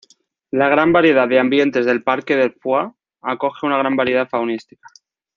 La gran variedad de ambientes del Parque del Foix acoge una gran variedad faunística.